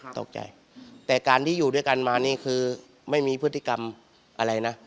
ตกใจแต่การที่อยู่ด้วยกันมานี่คือไม่มีพฤติกรรมอะไรนะ